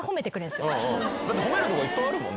だって褒めるとこいっぱいあるもん。